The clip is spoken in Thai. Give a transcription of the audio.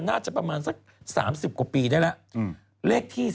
ได้เจ้าที่ที่ดี